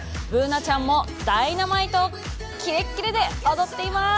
Ｂｏｏｎａちゃんも「Ｄｙｎａｍｉｔｅ」をキレッキレで踊っています。